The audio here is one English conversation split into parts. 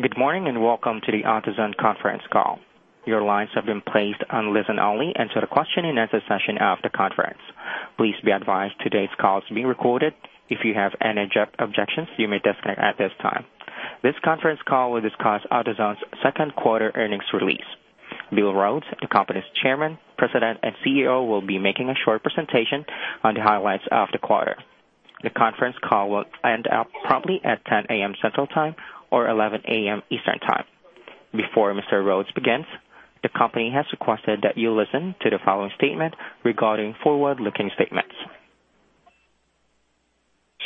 Good morning, welcome to the AutoZone conference call. Your lines have been placed on listen only until the question and answer session after conference. Please be advised today's call is being recorded. If you have any objections, you may disconnect at this time. This conference call will discuss AutoZone's second quarter earnings release. Bill Rhodes, the company's Chairman, President, and CEO, will be making a short presentation on the highlights of the quarter. The conference call will end up promptly at 10:00 A.M. Central Time or 11:00 A.M. Eastern Time. Before Mr. Rhodes begins, the company has requested that you listen to the following statement regarding forward-looking statements.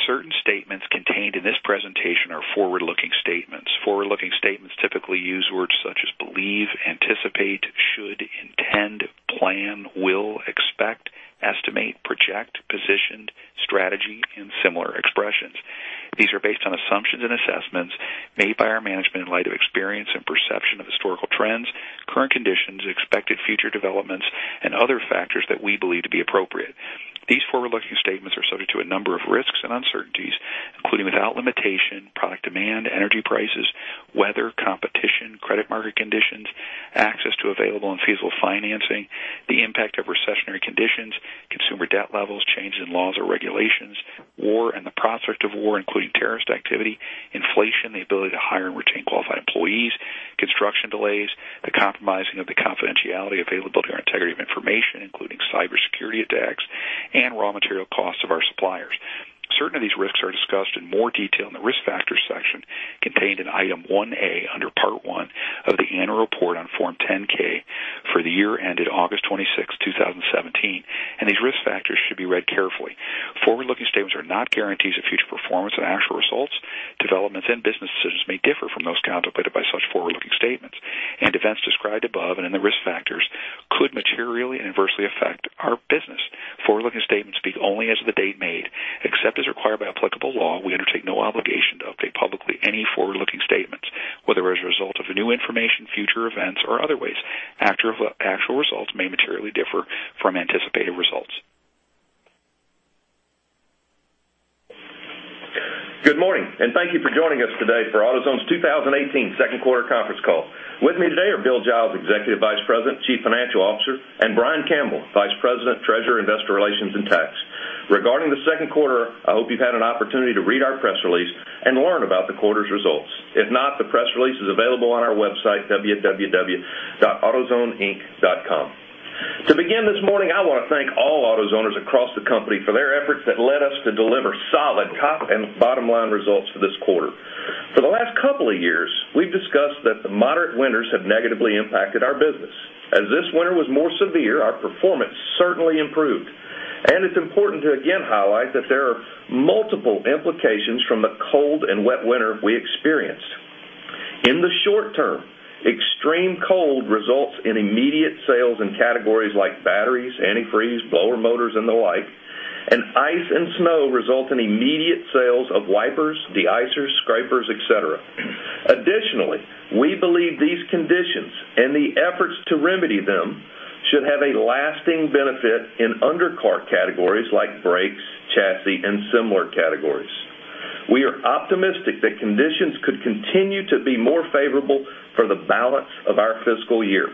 Certain statements contained in this presentation are forward-looking statements. Forward-looking statements typically use words such as believe, anticipate, should, intend, plan, will, expect, estimate, project, positioned, strategy, and similar expressions. These are based on assumptions and assessments made by our management in light of experience and perception of historical trends, current conditions, expected future developments, and other factors that we believe to be appropriate. These forward-looking statements are subject to a number of risks and uncertainties, including without limitation, product demand, energy prices, weather, competition, credit market conditions, access to available and feasible financing, the impact of recessionary conditions, consumer debt levels, changes in laws or regulations, war and the prospect of war, including terrorist activity, inflation, the ability to hire and retain qualified employees, construction delays, the compromising of the confidentiality, availability, or integrity of information, including cybersecurity attacks, and raw material costs of our suppliers. Certain of these risks are discussed in more detail in the Risk Factors section contained in Item 1A under Part 1 of the annual report on Form 10-K for the year ended August 26th, 2017. These risk factors should be read carefully. Forward-looking statements are not guarantees of future performance and actual results, developments and business decisions may differ from those contemplated by such forward-looking statements. Events described above and in the risk factors could materially and adversely affect our business. Forward-looking statements speak only as of the date made. Except as required by applicable law, we undertake no obligation to update publicly any forward-looking statements, whether as a result of new information, future events, or other ways. Actual results may materially differ from anticipated results. Good morning, thank you for joining us today for AutoZone's 2018 second quarter conference call. With me today are Bill Giles, Executive Vice President, Chief Financial Officer, and Brian Campbell, Vice President, Treasurer, Investor Relations, and Tax. Regarding the second quarter, I hope you've had an opportunity to read our press release and learn about the quarter's results. If not, the press release is available on our website, www.autozoneinc.com. To begin this morning, I want to thank all AutoZoners across the company for their efforts that led us to deliver solid top and bottom-line results for this quarter. For the last couple of years, we've discussed that the moderate winters have negatively impacted our business. As this winter was more severe, our performance certainly improved. It's important to again highlight that there are multiple implications from the cold and wet winter we experienced. In the short term, extreme cold results in immediate sales in categories like batteries, antifreeze, blower motors, and the like, and ice and snow result in immediate sales of wipers, de-icers, scrapers, et cetera. Additionally, we believe these conditions and the efforts to remedy them should have a lasting benefit in undercar categories like brakes, chassis, and similar categories. We are optimistic that conditions could continue to be more favorable for the balance of our fiscal year.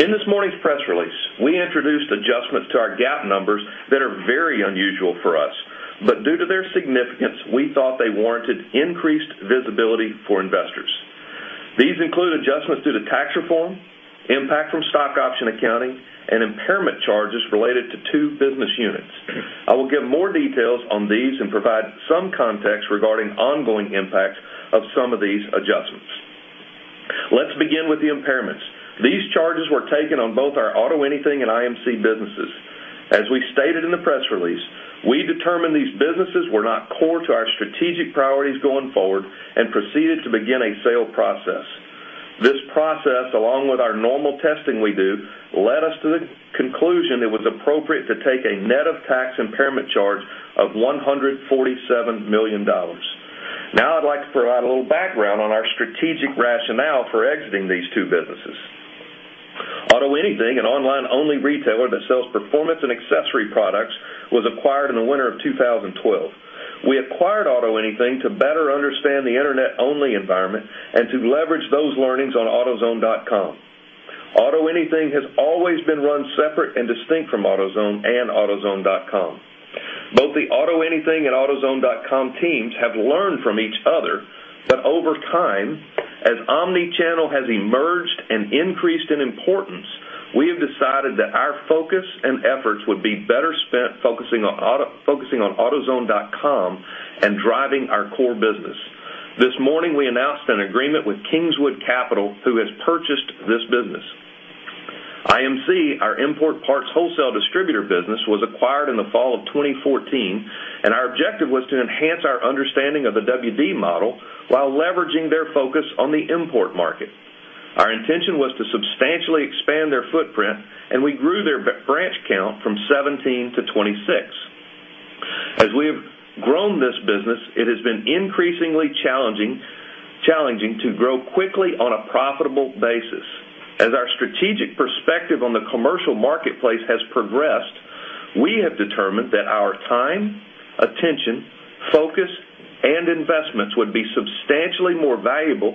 In this morning's press release, we introduced adjustments to our GAAP numbers that are very unusual for us, but due to their significance, we thought they warranted increased visibility for investors. These include adjustments due to Tax Reform, impact from stock option accounting, and impairment charges related to two business units. I will give more details on these and provide some context regarding ongoing impacts of some of these adjustments. Let's begin with the impairments. These charges were taken on both our AutoAnything and IMC businesses. As we stated in the press release, we determined these businesses were not core to our strategic priorities going forward and proceeded to begin a sale process. This process, along with our normal testing we do, led us to the conclusion it was appropriate to take a net of tax impairment charge of $147 million. Now I'd like to provide a little background on our strategic rationale for exiting these two businesses. AutoAnything, an online-only retailer that sells performance and accessory products, was acquired in the winter of 2012. We acquired AutoAnything to better understand the Internet-only environment and to leverage those learnings on autozone.com. AutoAnything has always been run separate and distinct from AutoZone and autozone.com. Both the AutoAnything and autozone.com teams have learned from each other, but over time, as omni-channel has emerged and increased in importance, we have decided that our focus and efforts would be better spent focusing on autozone.com and driving our core business. This morning, we announced an agreement with Kingswood Capital, who has purchased this business. IMC, our import parts wholesale distributor business, was acquired in the fall of 2014, and our objective was to enhance our understanding of the WD model while leveraging their focus on the import market. Our intention was to substantially expand their footprint, and we grew their branch count from 17 to 26. As we have grown this business, it has been increasingly challenging to grow quickly on a profitable basis. As our strategic perspective on the commercial marketplace has progressed, we have determined that our time, attention, focus, and investments would be substantially more valuable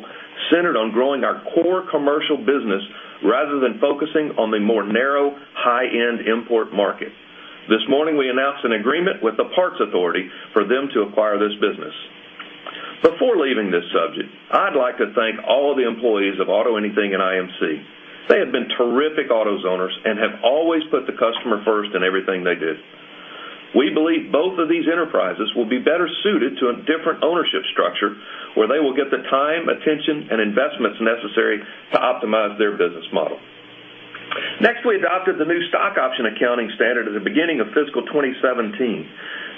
centered on growing our core commercial business rather than focusing on the more narrow, high-end import market. This morning, we announced an agreement with the Parts Authority for them to acquire this business. Before leaving this subject, I'd like to thank all of the employees of AutoAnything and IMC. They have been terrific AutoZoners and have always put the customer first in everything they did. We believe both of these enterprises will be better suited to a different ownership structure, where they will get the time, attention, and investments necessary to optimize their business model. Next, we adopted the new stock option accounting standard at the beginning of fiscal 2017.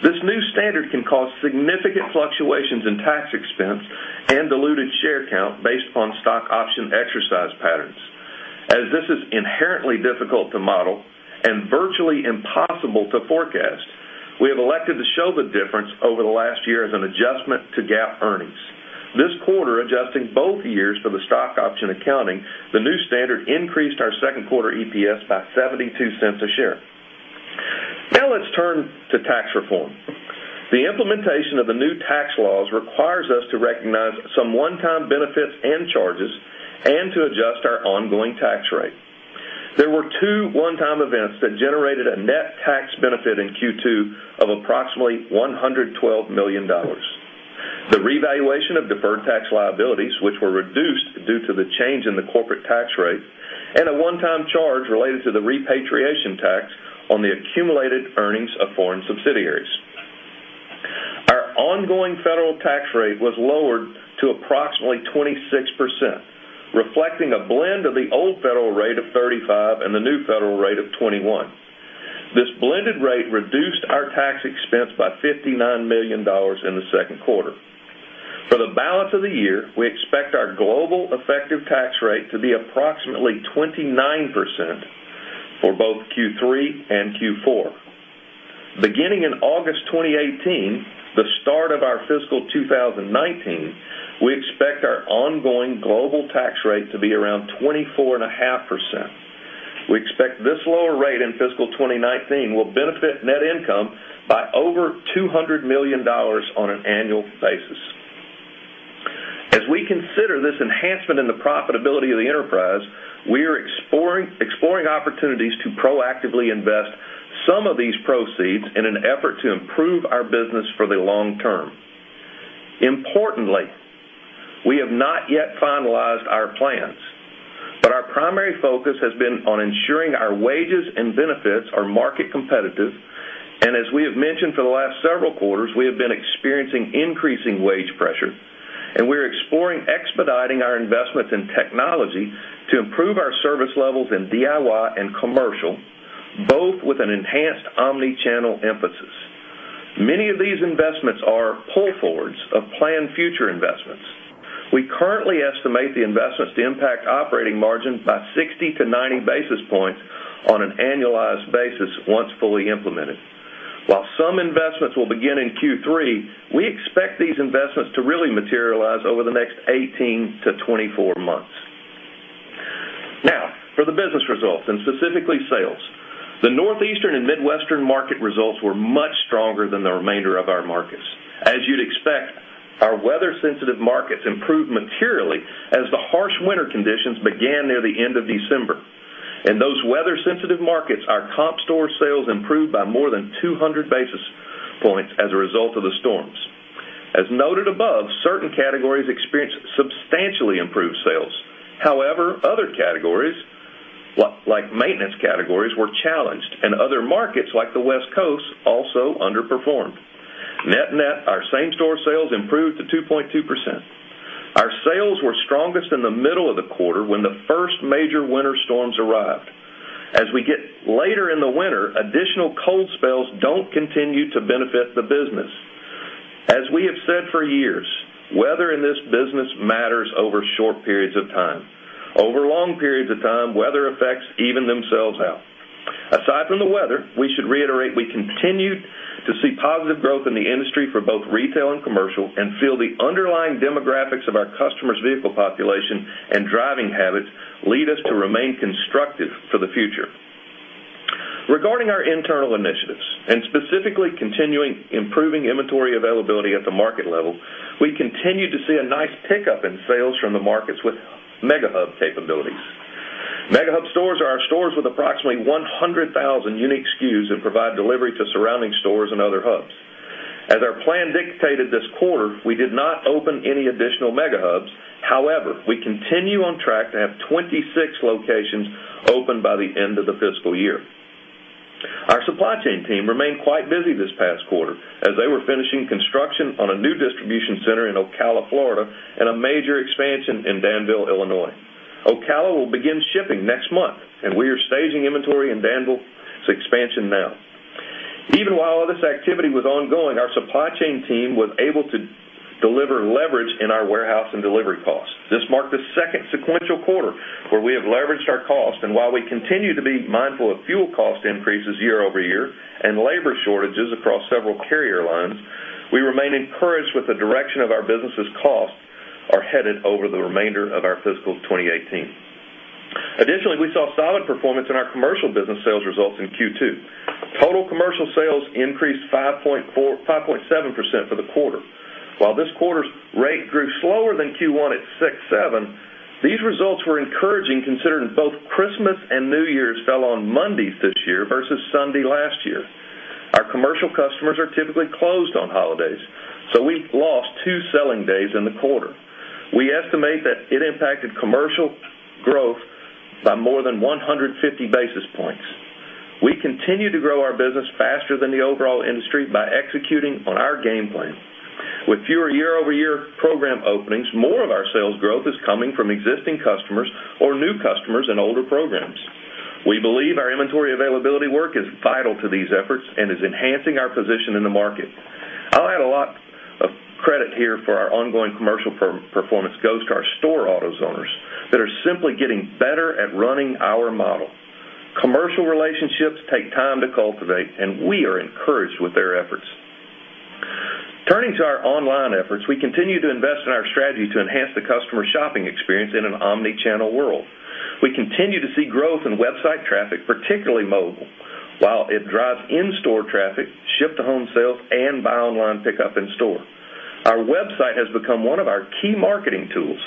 This new standard can cause significant fluctuations in tax expense and diluted share count based upon stock option exercise patterns. As this is inherently difficult to model and virtually impossible to forecast, we have elected to show the difference over the last year as an adjustment to GAAP earnings. This quarter, adjusting both years for the stock option accounting, the new standard increased our second quarter EPS by $0.72 a share. Let's turn to tax reform. The implementation of the new tax laws requires us to recognize some one-time benefits and charges and to adjust our ongoing tax rate. There were two one-time events that generated a net tax benefit in Q2 of approximately $112 million. The revaluation of deferred tax liabilities, which were reduced due to the change in the corporate tax rate, and a one-time charge related to the repatriation tax on the accumulated earnings of foreign subsidiaries. Our ongoing federal tax rate was lowered to approximately 26%, reflecting a blend of the old federal rate of 35% and the new federal rate of 21%. This blended rate reduced our tax expense by $59 million in the second quarter. For the balance of the year, we expect our global effective tax rate to be approximately 29% for both Q3 and Q4. Beginning in August 2018, the start of our fiscal 2019, we expect our ongoing global tax rate to be around 24.5%. We expect this lower rate in fiscal 2019 will benefit net income by over $200 million on an annual basis. As we consider this enhancement in the profitability of the enterprise, we are exploring opportunities to proactively invest some of these proceeds in an effort to improve our business for the long term. Importantly, we have not yet finalized our plans, but our primary focus has been on ensuring our wages and benefits are market competitive, and as we have mentioned for the last several quarters, we have been experiencing increasing wage pressure, and we're exploring expediting our investments in technology to improve our service levels in DIY and commercial, both with an enhanced omni-channel emphasis. Many of these investments are pull forwards of planned future investments. We currently estimate the investments to impact operating margin by 60 to 90 basis points on an annualized basis once fully implemented. While some investments will begin in Q3, we expect these investments to really materialize over the next 18 to 24 months. For the business results and specifically sales. The Northeastern and Midwestern market results were much stronger than the remainder of our markets. As you'd expect, our weather-sensitive markets improved materially as the harsh winter conditions began near the end of December. In those weather-sensitive markets, our comp store sales improved by more than 200 basis points as a result of the storms. As noted above, certain categories experienced substantially improved sales. Other categories, like maintenance categories, were challenged, and other markets, like the West Coast, also underperformed. Net net, our same-store sales improved to 2.2%. Our sales were strongest in the middle of the quarter when the first major winter storms arrived. We get later in the winter, additional cold spells don't continue to benefit the business. We have said for years, weather in this business matters over short periods of time. Over long periods of time, weather effects even themselves out. Aside from the weather, we should reiterate we continue to see positive growth in the industry for both retail and commercial and feel the underlying demographics of our customers' vehicle population and driving habits lead us to remain constructive for the future. Regarding our internal initiatives, specifically continuing improving inventory availability at the market level, we continue to see a nice pickup in sales from the markets with Mega Hub capabilities. Mega Hub stores are our stores with approximately 100,000 unique SKUs and provide delivery to surrounding stores and other hubs. As our plan dictated this quarter, we did not open any additional Mega Hubs. However, we continue on track to have 26 locations open by the end of the fiscal year. Our supply chain team remained quite busy this past quarter as they were finishing construction on a new distribution center in Ocala, Florida, and a major expansion in Danville, Illinois. Ocala will begin shipping next month. We are staging inventory in Danville's expansion now. Even while all this activity was ongoing, our supply chain team was able to deliver leverage in our warehouse and delivery costs. This marked the second sequential quarter where we have leveraged our cost. While we continue to be mindful of fuel cost increases year-over-year and labor shortages across several carrier lines, we remain encouraged with the direction of our business's costs are headed over the remainder of our fiscal 2018. Additionally, we saw solid performance in our commercial business sales results in Q2. Total commercial sales increased 5.7% for the quarter. While this quarter's rate grew slower than Q1 at 6.7%, these results were encouraging considering both Christmas and New Year's fell on Mondays this year versus Sunday last year. Our commercial customers are typically closed on holidays. We lost two selling days in the quarter. We estimate that it impacted commercial growth by more than 150 basis points. We continue to grow our business faster than the overall industry by executing on our game plan. With fewer year-over-year program openings, more of our sales growth is coming from existing customers or new customers in older programs. We believe our inventory availability work is vital to these efforts and is enhancing our position in the market. I'll add a lot of credit here for our ongoing commercial performance goes to our store AutoZoners that are simply getting better at running our model. Commercial relationships take time to cultivate. We are encouraged with their efforts. Turning to our online efforts, we continue to invest in our strategy to enhance the customer shopping experience in an omni-channel world. We continue to see growth in website traffic, particularly mobile, while it drives in-store traffic, ship-to-home sales, buy online pickup in store. Our website has become one of our key marketing tools.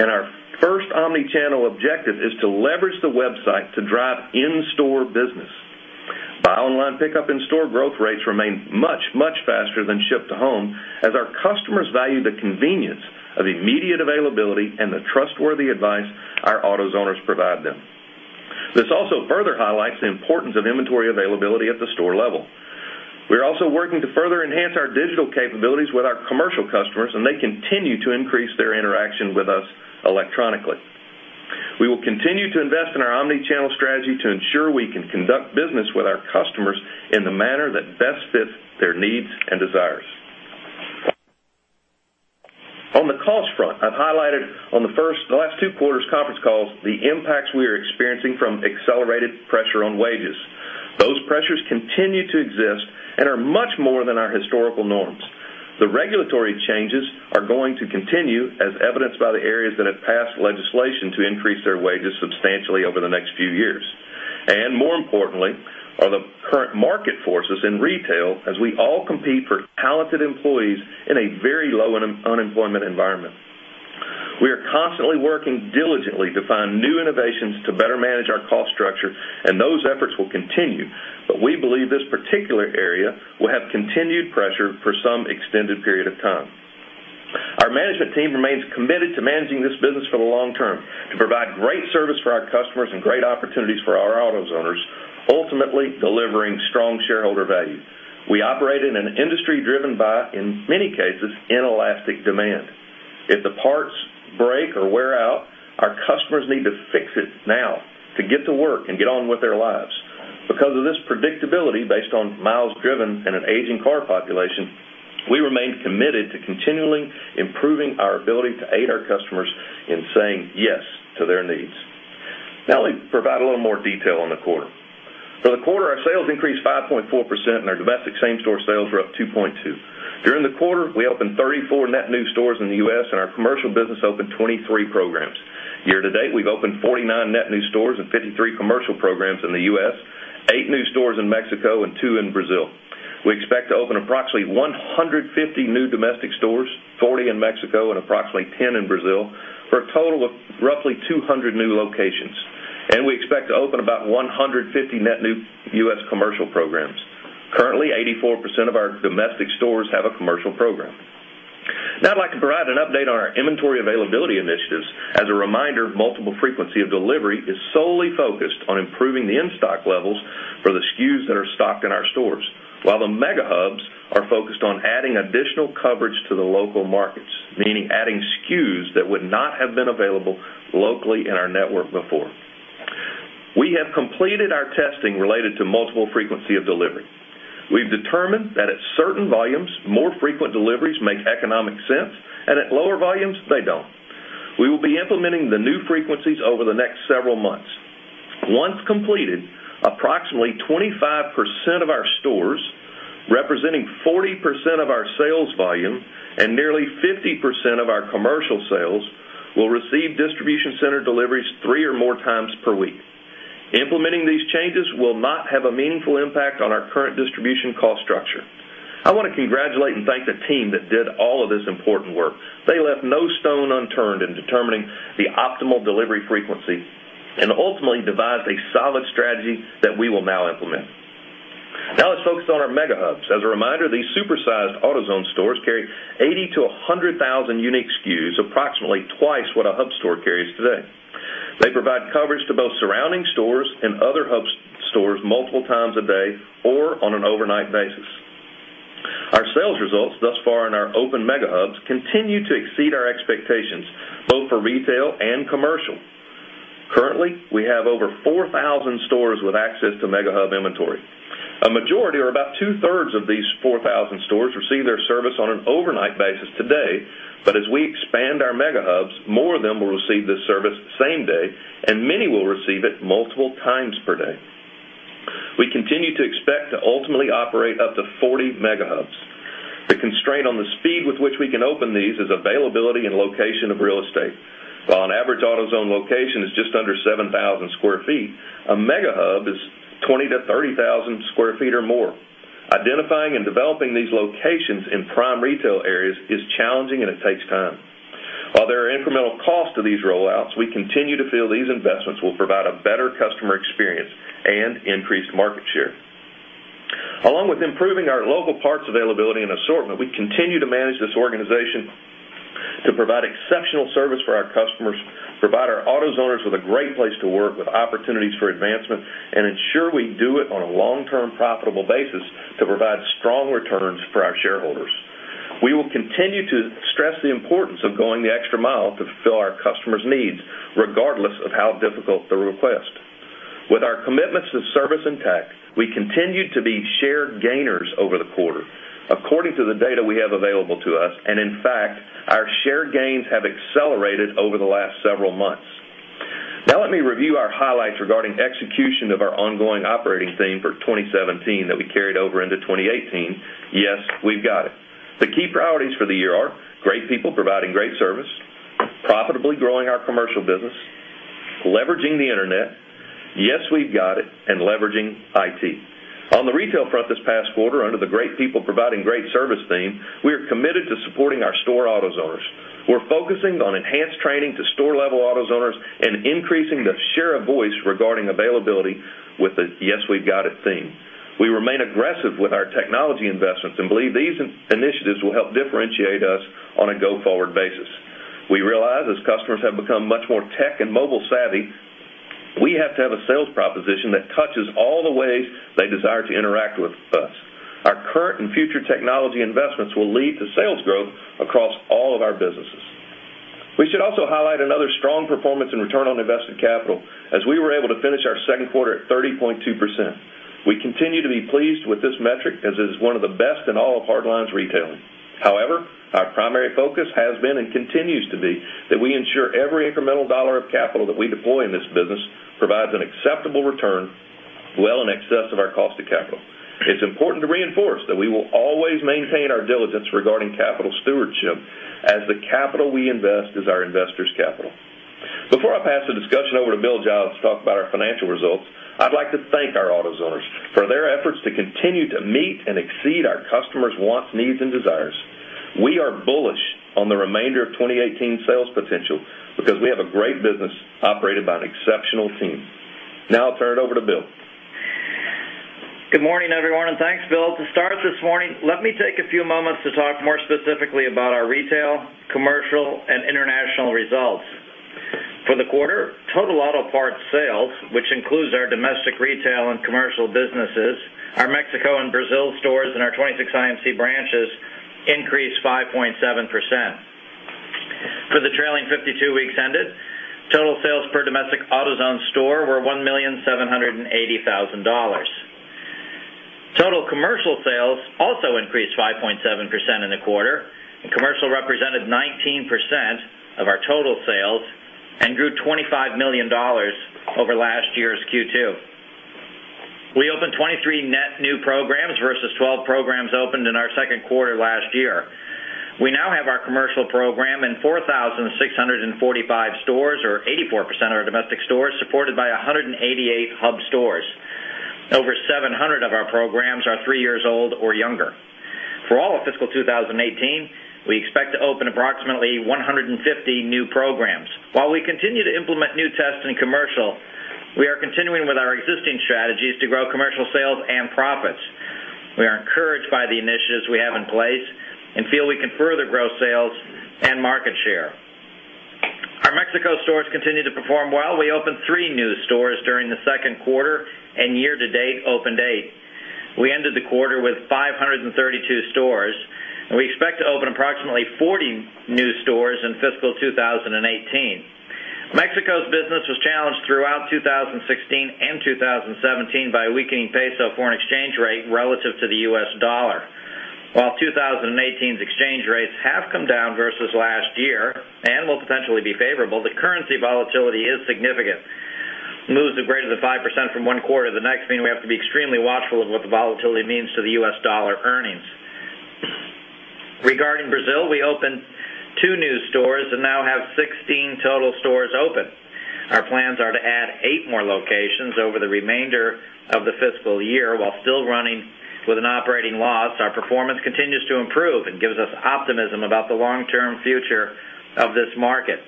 Our first omni-channel objective is to leverage the website to drive in-store business. Buy online, pickup in store growth rates remain much, much faster than ship to home as our customers value the convenience of immediate availability and the trustworthy advice our AutoZoners provide them. This also further highlights the importance of inventory availability at the store level. We're also working to further enhance our digital capabilities with our commercial customers. They continue to increase their interaction with us electronically. We will continue to invest in our omni-channel strategy to ensure we can conduct business with our customers in the manner that best fits their needs and desires. On the cost front, I've highlighted on the last two quarters conference calls, the impacts we are experiencing from accelerated pressure on wages. Those pressures continue to exist and are much more than our historical norms. The regulatory changes are going to continue as evidenced by the areas that have passed legislation to increase their wages substantially over the next few years. More importantly, are the current market forces in retail as we all compete for talented employees in a very low unemployment environment. We are constantly working diligently to find new innovations to better manage our cost structure, and those efforts will continue. We believe this particular area will have continued pressure for some extended period of time. Our management team remains committed to managing this business for the long term, to provide great service for our customers and great opportunities for our AutoZoners, ultimately delivering strong shareholder value. We operate in an industry driven by, in many cases, inelastic demand. If the parts break or wear out, our customers need to fix it now to get to work and get on with their lives. Because of this predictability based on miles driven and an aging car population, we remain committed to continually improving our ability to aid our customers in saying yes to their needs. Now let me provide a little more detail on the quarter. For the quarter, our sales increased 5.4%, and our domestic same-store sales were up 2.2. During the quarter, we opened 34 net new stores in the U.S., and our commercial business opened 23 programs. Year to date, we've opened 49 net new stores and 53 commercial programs in the U.S., eight new stores in Mexico and two in Brazil. We expect to open approximately 150 new domestic stores, 40 in Mexico and approximately 10 in Brazil, for a total of roughly 200 new locations. We expect to open about 150 net new U.S. commercial programs. Currently, 84% of our domestic stores have a commercial program. Now I'd like to provide an update on our inventory availability initiatives. As a reminder, multiple frequency of delivery is solely focused on improving the in-stock levels for the SKUs that are stocked in our stores. While the Mega Hubs are focused on adding additional coverage to the local markets, meaning adding SKUs that would not have been available locally in our network before. We have completed our testing related to multiple frequency of delivery. We've determined that at certain volumes, more frequent deliveries make economic sense, and at lower volumes, they don't. We will be implementing the new frequencies over the next several months. Once completed, approximately 25% of our stores, representing 40% of our sales volume and nearly 50% of our commercial sales, will receive distribution center deliveries three or more times per week. Implementing these changes will not have a meaningful impact on our current distribution cost structure. I want to congratulate and thank the team that did all of this important work. They left no stone unturned in determining the optimal delivery frequency and ultimately devised a solid strategy that we will now implement. Now let's focus on our Mega Hubs. As a reminder, these super-sized AutoZone stores carry 80,000 to 100,000 unique SKUs, approximately twice what a hub store carries today. They provide coverage to both surrounding stores and other hub stores multiple times a day or on an overnight basis. Our sales results thus far in our open Mega Hubs continue to exceed our expectations, both for retail and commercial. Currently, we have over 4,000 stores with access to Mega Hub inventory. A majority or about two-thirds of these 4,000 stores receive their service on an overnight basis today. As we expand our Mega Hubs, more of them will receive this service same day, and many will receive it multiple times per day. We continue to expect to ultimately operate up to 40 Mega Hubs. The constraint on the speed with which we can open these is availability and location of real estate. While an average AutoZone location is just under 7,000 square feet, a Mega Hub is 20,000 to 30,000 square feet or more. Identifying and developing these locations in prime retail areas is challenging and it takes time. While there are incremental costs to these rollouts, we continue to feel these investments will provide a better customer experience and increased market share. Along with improving our local parts availability and assortment, we continue to manage this organization to provide exceptional service for our customers, provide our AutoZoners with a great place to work with opportunities for advancement, and ensure we do it on a long-term profitable basis to provide strong returns for our shareholders. We will continue to stress the importance of going the extra mile to fulfill our customers' needs, regardless of how difficult the request. With our commitments to service and tech, we continued to be share gainers over the quarter according to the data we have available to us. In fact, our share gains have accelerated over the last several months. Now let me review our highlights regarding execution of our ongoing operating theme for 2017 that we carried over into 2018, Yes We've Got It. The key priorities for the year are great people providing great service, profitably growing our commercial business, leveraging the internet, Yes We've Got It, and leveraging IT. On the retail front this past quarter under the great people providing great service theme, we are committed to supporting our store AutoZoners. We're focusing on enhanced training to store-level AutoZoners and increasing the share of voice regarding availability with the Yes We've Got It theme. We remain aggressive with our technology investments and believe these initiatives will help differentiate us on a go-forward basis. We realize as customers have become much more tech and mobile savvy, we have to have a sales proposition that touches all the ways they desire to interact with us. Our current and future technology investments will lead to sales growth across all of our businesses. We should also highlight another strong performance in return on invested capital, as we were able to finish our second quarter at 30.2%. We continue to be pleased with this metric as it is one of the best in all of hardline retailing. However, our primary focus has been and continues to be that we ensure every incremental dollar of capital that we deploy in this business provides an acceptable return well in excess of our cost of capital. It's important to reinforce that we will always maintain our diligence regarding capital stewardship as the capital we invest is our investors' capital. Before I pass the discussion over to Bill Giles to talk about our financial results, I'd like to thank our AutoZoners for their efforts to continue to meet and exceed our customers' wants, needs, and desires. We are bullish on the remainder of 2018 sales potential because we have a great business operated by an exceptional team. Now I'll turn it over to Bill. Good morning, everyone, and thanks, Bill. To start this morning, let me take a few moments to talk more specifically about our retail, commercial, and international results. For the quarter, total auto parts sales, which includes our domestic retail and commercial businesses, our Mexico and Brazil stores, and our 26 IMC branches increased 5.7%. For the trailing 52 weeks ended, total sales per domestic AutoZone store were $1,780,000. Commercial represented 19% of our total sales and grew $25 million over last year's Q2. We opened 23 net new programs versus 12 programs opened in our second quarter last year. We now have our commercial program in 4,645 stores or 84% of our domestic stores supported by 188 hub stores. Over 700 of our programs are three years old or younger. For all of fiscal 2018, we expect to open approximately 150 new programs. While we continue to implement new tests in commercial, we are continuing with our existing strategies to grow commercial sales and profits. We are encouraged by the initiatives we have in place and feel we can further grow sales and market share. Our Mexico stores continue to perform well. We opened three new stores during the second quarter. Year to date opened eight. We ended the quarter with 532 stores. We expect to open approximately 40 new stores in fiscal 2018. Mexico's business was challenged throughout 2016 and 2017 by a weakening peso foreign exchange rate relative to the US dollar. While 2018's exchange rates have come down versus last year and will potentially be favorable, the currency volatility is significant. Moves of greater than 5% from one quarter to the next mean we have to be extremely watchful of what the volatility means to the US dollar earnings. Regarding Brazil, we opened two new stores. Now have 16 total stores open. Our plans are to add eight more locations over the remainder of the fiscal year. While still running with an operating loss, our performance continues to improve and gives us optimism about the long-term future of this market.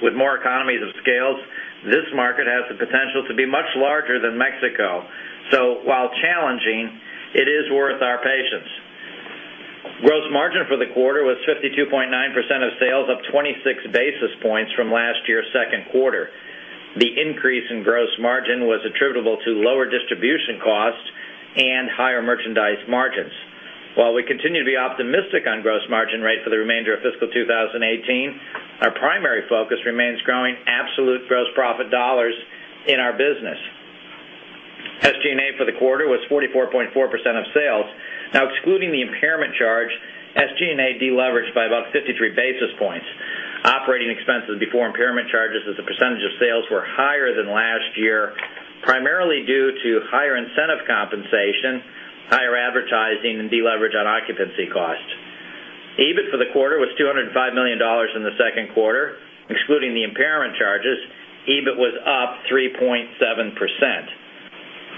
With more economies of scales, this market has the potential to be much larger than Mexico. While challenging, it is worth our patience. Gross margin for the quarter was 52.9% of sales up 26 basis points from last year's second quarter. The increase in gross margin was attributable to lower distribution costs and higher merchandise margins. While we continue to be optimistic on gross margin rate for the remainder of fiscal 2018, our primary focus remains growing absolute gross profit dollars in our business. SG&A for the quarter was 44.4% of sales. Excluding the impairment charge, SG&A deleveraged by about 53 basis points. Operating expenses before impairment charges as a percentage of sales were higher than last year, primarily due to higher incentive compensation, higher advertising, and deleverage on occupancy costs. EBIT for the quarter was $205 million in the second quarter. Excluding the impairment charges, EBIT was up 3.7%.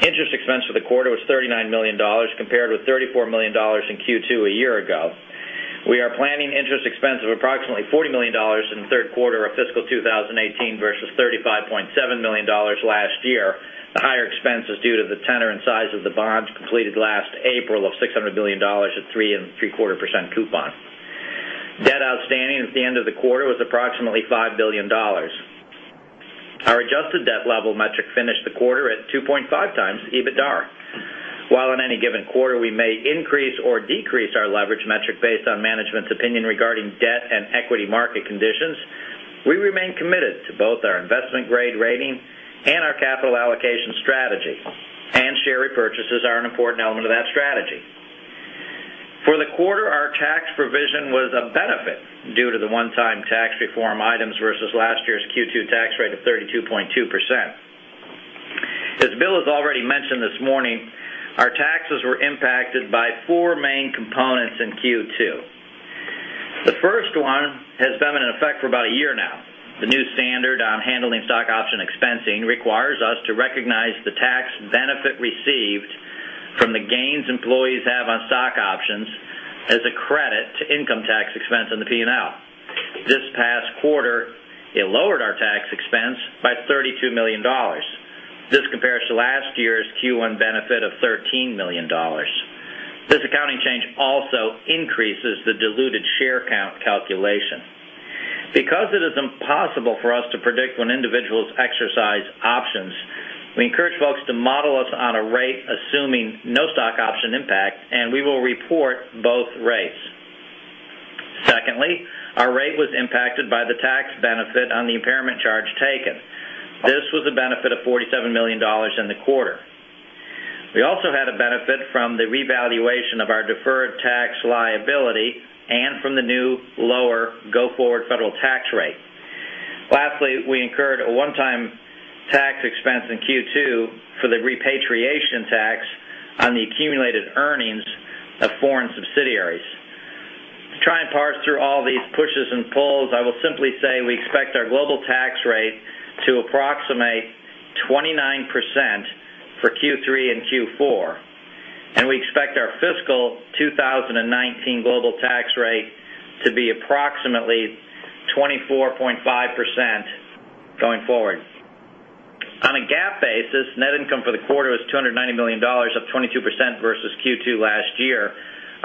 Interest expense for the quarter was $39 million compared with $34 million in Q2 a year ago. We are planning interest expense of approximately $40 million in the third quarter of fiscal 2018 versus $35.7 million last year. The higher expense is due to the tenor and size of the bonds completed last April of $600 million at 3.75% coupon. Debt outstanding at the end of the quarter was approximately $5 billion. Our adjusted debt level metric finished the quarter at 2.5 times EBITDAR. While on any given quarter, we may increase or decrease our leverage metric based on management's opinion regarding debt and equity market conditions, we remain committed to both our investment-grade rating and our capital allocation strategy, and share repurchases are an important element of that strategy. For the quarter, our tax provision was a benefit due to the one-time tax reform items versus last year's Q2 tax rate of 32.2%. As Bill has already mentioned this morning, our taxes were impacted by four main components in Q2. The first one has been in effect for about a year now. The new standard on handling stock option expensing requires us to recognize the tax benefit received from the gains employees have on stock options as a credit to income tax expense on the P&L. This past quarter, it lowered our tax expense by $32 million. This compares to last year's Q1 benefit of $13 million. This accounting change also increases the diluted share count calculation. Because it is impossible for us to predict when individuals exercise options, we encourage folks to model us on a rate assuming no stock option impact, and we will report both rates. Secondly, our rate was impacted by the tax benefit on the impairment charge taken. This was a benefit of $47 million in the quarter. We also had a benefit from the revaluation of our deferred tax liability and from the new, lower go-forward federal tax rate. Lastly, we incurred a one-time tax expense in Q2 for the repatriation tax on the accumulated earnings of foreign subsidiaries. To try and parse through all these pushes and pulls, I will simply say we expect our global tax rate to approximate 29% for Q3 and Q4, and we expect our fiscal 2019 global tax rate to be approximately 24.5% going forward. On a GAAP basis, net income for the quarter was $290 million, up 22% versus Q2 last year.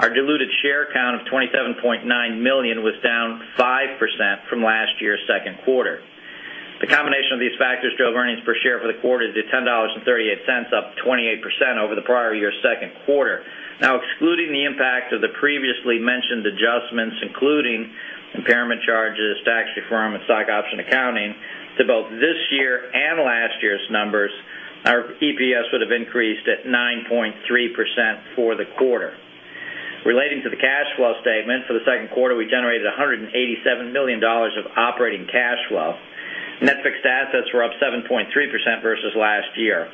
Our diluted share count of 27.9 million was down 5% from last year's second quarter. The combination of these factors drove earnings per share for the quarter to $10.38, up 28% over the prior year's second quarter. Excluding the impact of the previously mentioned adjustments, including impairment charges, Tax Reform, and stock option accounting to both this year and last year's numbers, our EPS would have increased at 9.3% for the quarter. Relating to the cash flow statement for the second quarter, we generated $187 million of operating cash flow. Net fixed assets were up 7.3% versus last year.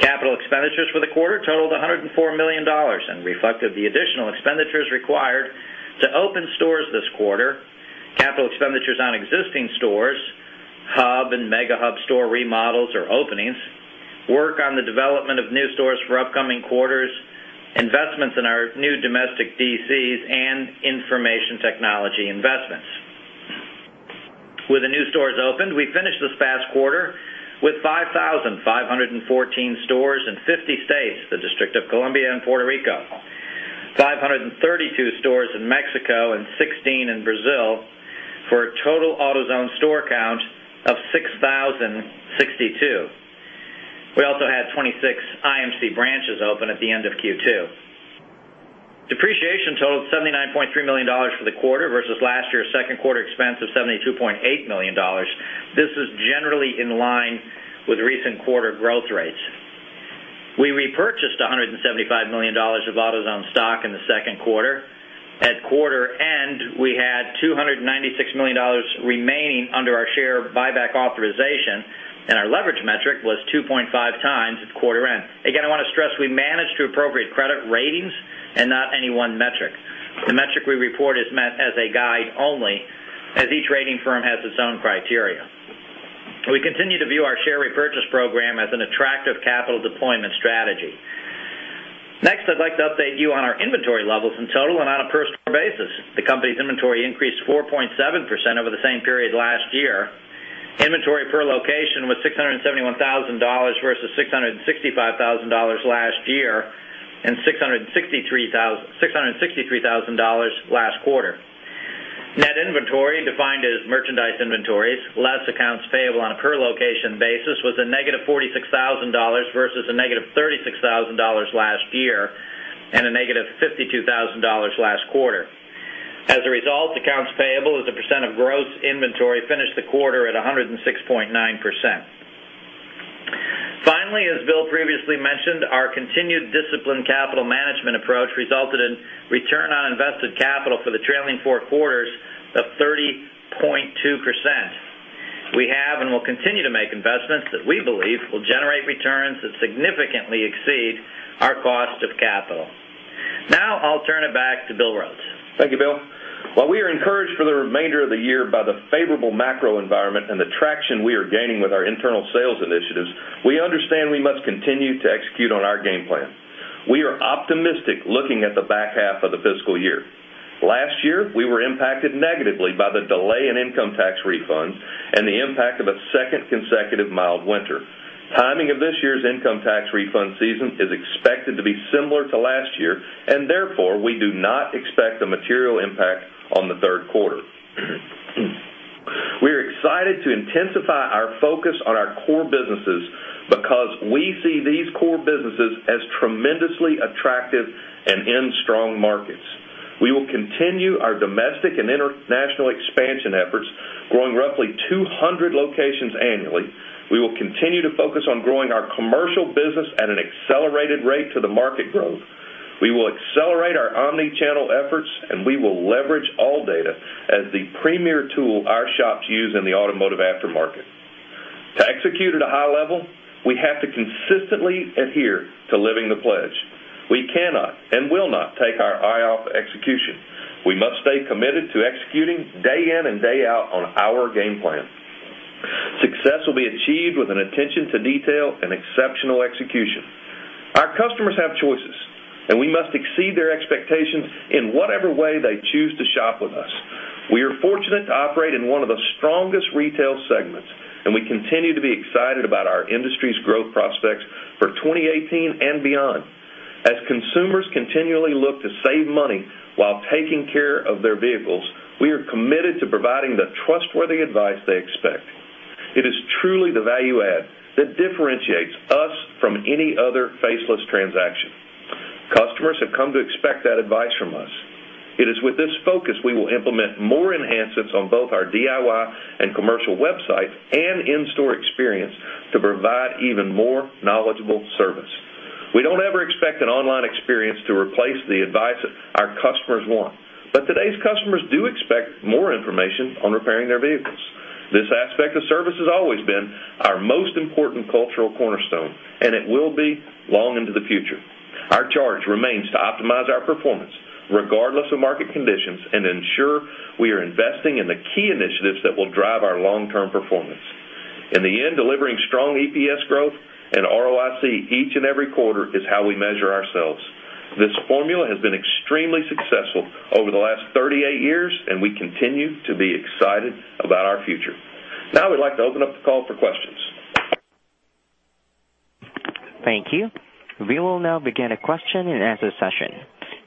Capital expenditures for the quarter totaled $104 million and reflected the additional expenditures required to open stores this quarter. Capital expenditures on existing stores, hub and Mega Hub store remodels or openings, work on the development of new stores for upcoming quarters, investments in our new domestic DCs, and information technology investments. With the new stores opened, we finished this past quarter with 5,514 stores in 50 states, the District of Columbia, and Puerto Rico, 532 stores in Mexico, and 16 in Brazil, for a total AutoZone store count of 6,062. We also had 26 IMC branches open at the end of Q2. Depreciation totaled $79.3 million for the quarter versus last year's second quarter expense of $72.8 million. This is generally in line with recent quarter growth rates. We repurchased $175 million of AutoZone stock in the second quarter. At quarter end, we had $296 million remaining under our share buyback authorization, and our leverage metric was 2.5 times at quarter end. I want to stress we manage to appropriate credit ratings and not any one metric. The metric we report is meant as a guide only, as each rating firm has its own criteria. We continue to view our share repurchase program as an attractive capital deployment strategy. I'd like to update you on our inventory levels in total and on a per store basis. The company's inventory increased 4.7% over the same period last year. Inventory per location was $671,000 versus $665,000 last year and $663,000 last quarter. Net inventory, defined as merchandise inventories less accounts payable on a per-location basis, was a negative $46,000 versus a negative $36,000 last year and a negative $52,000 last quarter. As a result, accounts payable as a percent of gross inventory finished the quarter at 106.9%. Previously mentioned, our continued disciplined capital management approach resulted in Return on Invested Capital for the trailing four quarters of 30.2%. We have and will continue to make investments that we believe will generate returns that significantly exceed our cost of capital. I'll turn it back to Bill Rhodes. Thank you, Bill. While we are encouraged for the remainder of the year by the favorable macroenvironment and the traction we are gaining with our internal sales initiatives, we understand we must continue to execute on our game plan. We are optimistic looking at the back half of the fiscal year. Last year, we were impacted negatively by the delay in income tax refunds and the impact of a second consecutive mild winter. Timing of this year's income tax refund season is expected to be similar to last year, therefore, we do not expect a material impact on the third quarter. We are excited to intensify our focus on our core businesses because we see these core businesses as tremendously attractive and in strong markets. We will continue our domestic and international expansion efforts, growing roughly 200 locations annually. We will continue to focus on growing our commercial business at an accelerated rate to the market growth. We will accelerate our omni-channel efforts. We will leverage all data as the premier tool our shops use in the automotive aftermarket. To execute at a high level, we have to consistently adhere to living the pledge. We cannot and will not take our eye off execution. We must stay committed to executing day in and day out on our game plan. Success will be achieved with an attention to detail and exceptional execution. Our customers have choices, and we must exceed their expectations in whatever way they choose to shop with us. We are fortunate to operate in one of the strongest retail segments. We continue to be excited about our industry's growth prospects for 2018 and beyond. As consumers continually look to save money while taking care of their vehicles, we are committed to providing the trustworthy advice they expect. It is truly the value add that differentiates us from any other faceless transaction. Customers have come to expect that advice from us. It is with this focus we will implement more enhancements on both our DIY and commercial website and in-store experience to provide even more knowledgeable service. We don't ever expect an online experience to replace the advice that our customers want. Today's customers do expect more information on repairing their vehicles. This aspect of service has always been our most important cultural cornerstone. It will be long into the future. Our charge remains to optimize our performance regardless of market conditions and ensure we are investing in the key initiatives that will drive our long-term performance. In the end, delivering strong EPS growth and ROIC each and every quarter is how we measure ourselves. This formula has been extremely successful over the last 38 years. We continue to be excited about our future. Now we'd like to open up the call for questions. Thank you. We will now begin a question-and-answer session.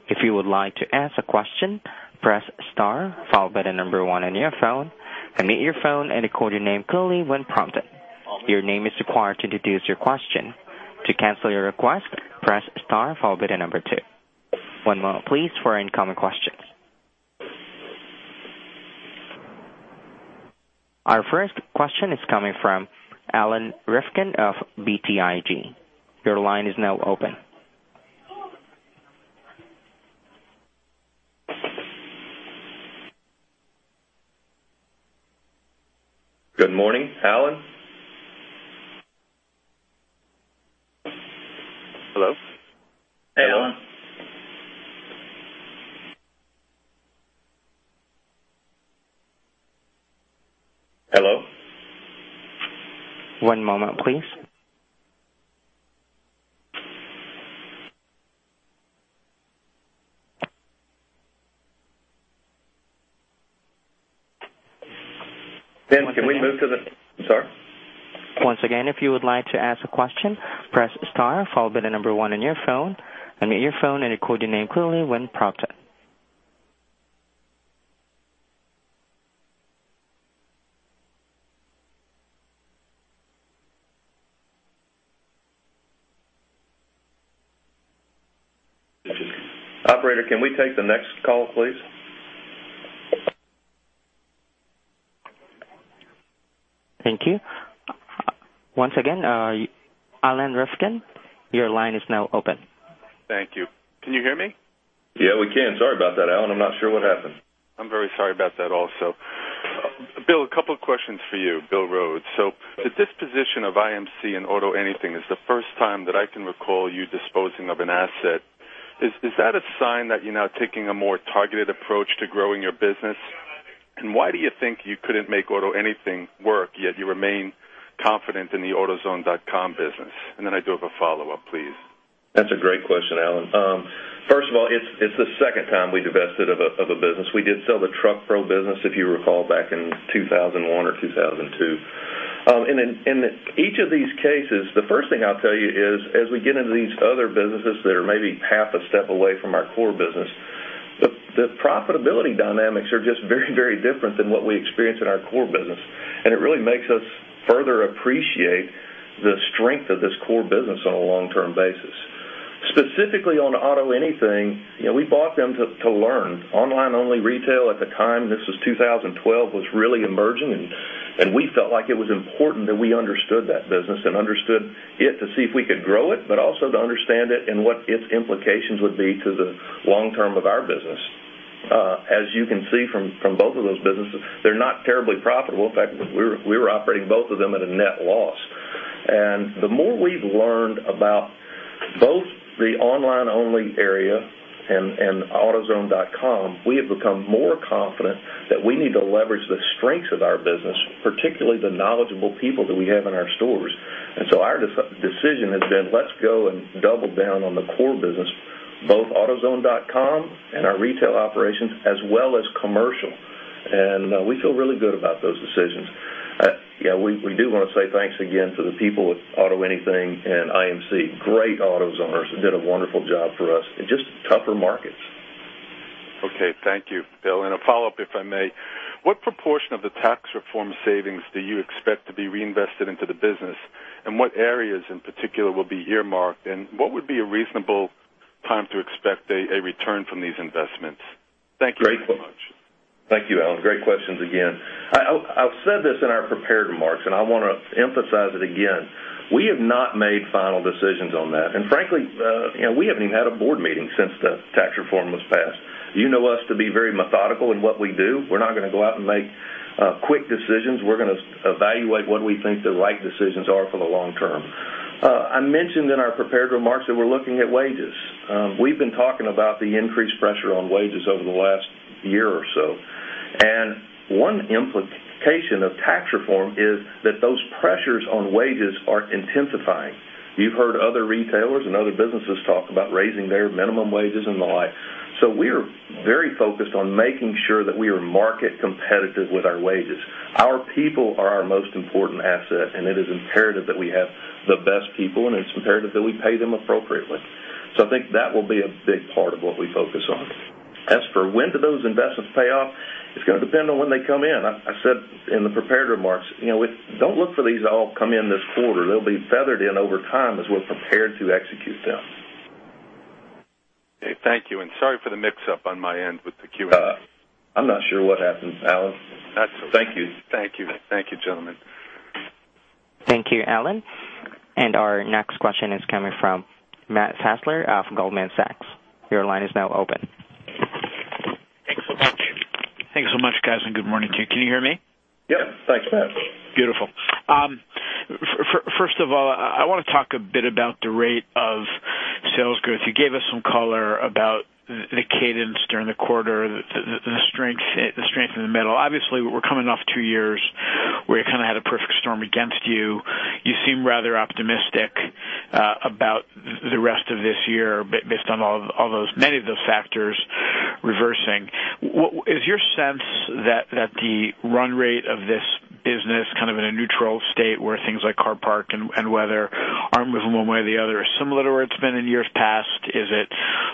If you would like to ask a question, press star, followed by 1 on your phone. Unmute your phone and record your name clearly when prompted. Your name is required to introduce your question. To cancel your request, press star followed by 2. One moment please for incoming questions. Our first question is coming from Alan Rifkin of BTIG. Your line is now open. Good morning, Alan. Hello? Hey, Alan. Hello? One moment, please. Dan, can we move to Sorry. Once again, if you would like to ask a question, press star followed by the number one on your phone, unmute your phone and record your name clearly when prompted. Operator, can we take the next call, please? Thank you. Once again, Alan Rifkin, your line is now open. Thank you. Can you hear me? Yeah, we can. Sorry about that, Alan. I'm not sure what happened. I'm very sorry about that also. Bill, a couple of questions for you, Bill Rhodes. The disposition of IMC and AutoAnything is the first time that I can recall you disposing of an asset. Is that a sign that you're now taking a more targeted approach to growing your business? Why do you think you couldn't make AutoAnything work, yet you remain confident in the autozone.com business? I do have a follow-up, please. That's a great question, Alan. First of all, it's the second time we divested of a business. We did sell the TruckPro business, if you recall, back in 2001 or 2002. In each of these cases, the first thing I'll tell you is as we get into these other businesses that are maybe half a step away from our core business, the profitability dynamics are just very different than what we experience in our core business, and it really makes us further appreciate the strength of this core business on a long-term basis. Specifically on AutoAnything, we bought them to learn. Online-only retail at the time, this was 2012, was really emerging. We felt like it was important that we understood that business and understood it to see if we could grow it, but also to understand it and what its implications would be to the long-term of our business. As you can see from both of those businesses, they're not terribly profitable. In fact, we were operating both of them at a net loss. The more we've learned about both the online-only area and autozone.com, we have become more confident that we need to leverage the strengths of our business, particularly the knowledgeable people that we have in our stores. Our decision has been, let's go and double down on the core business, both autozone.com and our retail operations, as well as commercial. We feel really good about those decisions. We do want to say thanks again to the people at AutoAnything and IMC. Great AutoZoners, did a wonderful job for us in just tougher markets. Okay. Thank you, Bill. A follow-up, if I may. What proportion of the Tax Reform savings do you expect to be reinvested into the business? What areas in particular will be earmarked? What would be a reasonable time to expect a return from these investments? Thank you very much. Thank you, Alan. Great questions again. I've said this in our prepared remarks. I want to emphasize it again. We have not made final decisions on that. Frankly, we haven't even had a board meeting since the Tax Reform was passed. You know us to be very methodical in what we do. We're not going to go out and make quick decisions. We're going to evaluate what we think the right decisions are for the long term. I mentioned in our prepared remarks that we're looking at wages. We've been talking about the increased pressure on wages over the last year or so. One implication of Tax Reform is that those pressures on wages are intensifying. You've heard other retailers and other businesses talk about raising their minimum wages and the like. We are very focused on making sure that we are market competitive with our wages. Our people are our most important asset, and it is imperative that we have the best people, and it's imperative that we pay them appropriately. I think that will be a big part of what we focus on. As for when do those investments pay off, it's going to depend on when they come in. I said in the prepared remarks, don't look for these to all come in this quarter. They'll be feathered in over time as we're prepared to execute them. Okay. Thank you, and sorry for the mix-up on my end with the Q&A. I'm not sure what happened, Alan. Thank you. Thank you. Thank you, gentlemen. Thank you, Alan. Our next question is coming from Matt Fassler from Goldman Sachs. Your line is now open. Thanks so much, guys, and good morning to you. Can you hear me? Yep. Thanks, Matt. Beautiful. First of all, I want to talk a bit about the rate of sales growth. You gave us some color about the cadence during the quarter, the strength in the middle. Obviously, we're coming off two years where you kind of had a perfect storm against you. You seem rather optimistic about the rest of this year based on many of those factors reversing. Is your sense that the run rate of this business, kind of in a neutral state where things like car park and weather aren't moving one way or the other, is similar to where it's been in years past? Is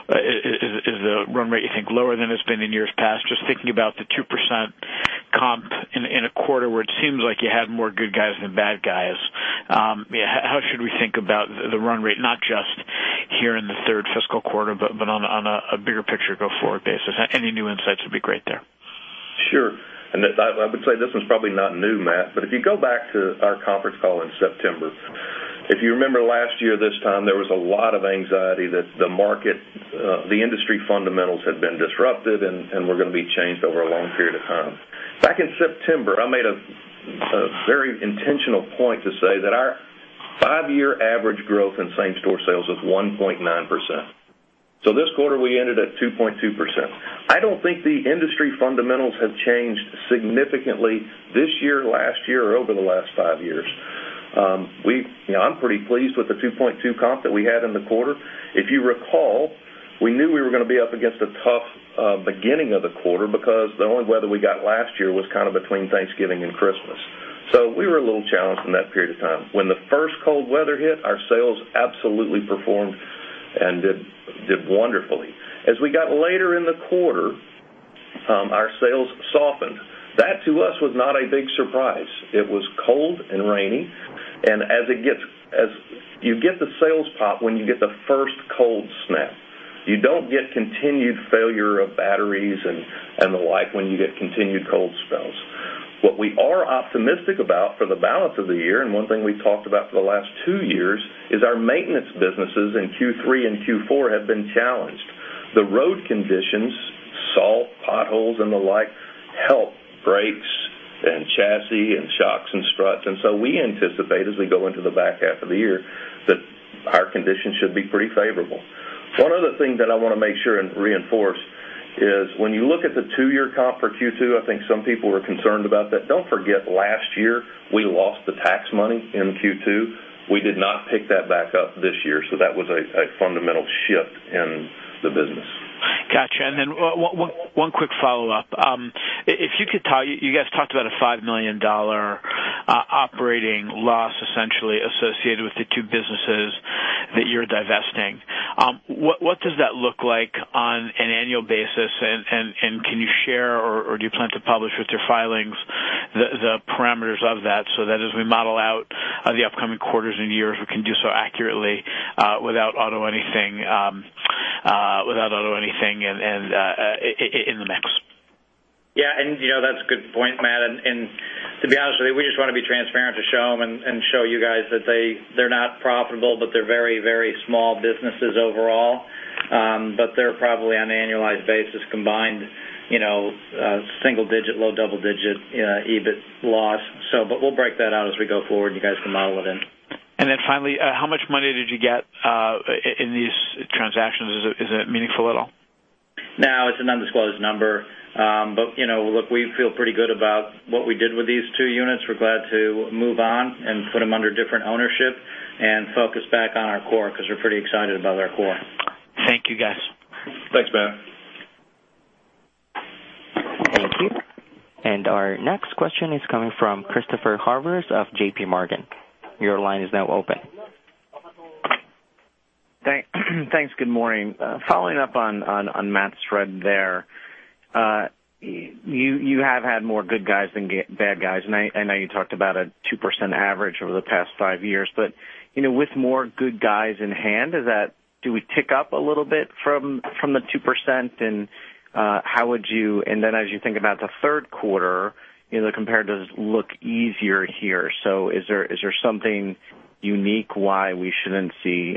the run rate, you think, lower than it's been in years past? Just thinking about the 2% comp in a quarter where it seems like you had more good guys than bad guys. How should we think about the run rate, not just here in the third fiscal quarter, but on a bigger picture go-forward basis? Any new insights would be great there. Sure. I would say this one's probably not new, Matt Fassler, but if you go back to our conference call in September, if you remember last year this time, there was a lot of anxiety that the industry fundamentals had been disrupted and were going to be changed over a long period of time. Back in September, I made a very intentional point to say that our five-year average growth in same-store sales was 1.9%. This quarter, we ended at 2.2%. I don't think the industry fundamentals have changed significantly this year, last year, or over the last five years. I'm pretty pleased with the 2.2% comp that we had in the quarter. If you recall, we knew we were going to be up against a tough beginning of the quarter because the only weather we got last year was kind of between Thanksgiving and Christmas. We were a little challenged in that period of time. When the first cold weather hit, our sales absolutely performed and did wonderfully. As we got later in the quarter, our sales softened. That, to us, was not a big surprise. It was cold and rainy, and you get the sales pop when you get the first cold snap. You don't get continued failure of batteries and the like when you get continued cold spells. What we are optimistic about for the balance of the year, and one thing we've talked about for the last two years, is our maintenance businesses in Q3 and Q4 have been challenged. The road conditions, salt, potholes, and the like help brakes and chassis and shocks and struts. We anticipate as we go into the back half of the year that our conditions should be pretty favorable. One other thing that I want to make sure and reinforce is when you look at the two-year comp for Q2, I think some people were concerned about that. Don't forget, last year, we lost the tax money in Q2. We did not pick that back up this year, that was a fundamental shift in the business. Got you. Then one quick follow-up. You guys talked about a $5 million operating loss essentially associated with the two businesses that you're divesting. What does that look like annual basis, and can you share or do you plan to publish with your filings the parameters of that so that as we model out the upcoming quarters and years, we can do so accurately without AutoAnything in the mix? Yeah, that's a good point, Matt, to be honest with you, we just want to be transparent to show them and show you guys that they're not profitable, but they're very, very small businesses overall. They're probably on an annualized basis combined, single digit, low double digit EBIT loss. We'll break that out as we go forward, you guys can model it in. Then finally, how much money did you get in these transactions? Is it meaningful at all? No, it's an undisclosed number. Look, we feel pretty good about what we did with these two units. We're glad to move on and put them under different ownership and focus back on our core because we're pretty excited about our core. Thank you, guys. Thanks, Matt. Thank you. Our next question is coming from Christopher Horvers of JPMorgan. Your line is now open. Thanks. Good morning. Following up on Matt's thread there. You have had more good guys than bad guys, and I know you talked about a 2% average over the past five years, but, with more good guys in hand, do we tick up a little bit from the 2%? As you think about the third quarter, the comparatives look easier here. Is there something unique why we shouldn't see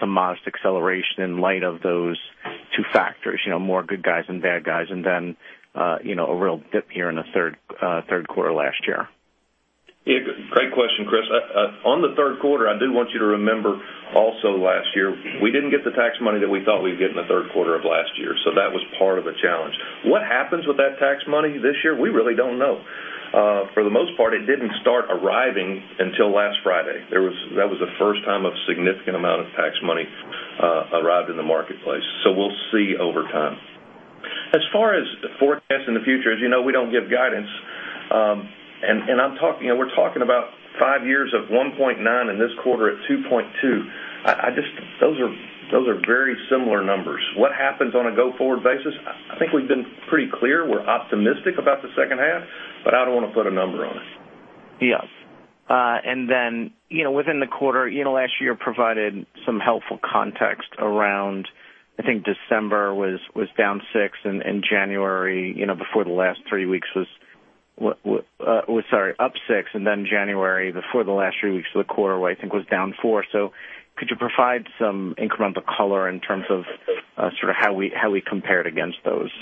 some modest acceleration in light of those two factors, more good guys than bad guys, and then a real dip here in the third quarter last year? Yes. Great question, Chris. On the third quarter, I do want you to remember also last year, we didn't get the tax money that we thought we'd get in the third quarter of last year, so that was part of the challenge. What happens with that tax money this year? We really don't know. For the most part, it didn't start arriving until last Friday. That was the first time a significant amount of tax money arrived in the marketplace, so we'll see over time. As far as the forecast in the future, as you know, we don't give guidance. We're talking about five years of 1.9 and this quarter at 2.2. Those are very similar numbers. What happens on a go-forward basis? I think we've been pretty clear. We're optimistic about the second half, but I don't want to put a number on it. Yes. Then, within the quarter, last year provided some helpful context around, I think December was up 6%, and then January before the last three weeks of the quarter, I think was down 4%. Could you provide some incremental color in terms of how we compared against those?